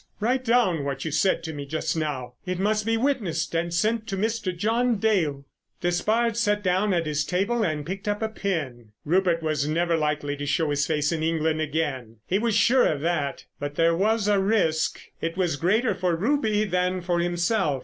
Write down what you said to me just now. It must be witnessed and sent to Mr. John Dale." Despard sat down at his table and picked up a pen. Rupert was never likely to show his face in England again, he was sure of that. But there was a risk. It was greater for Ruby than for himself.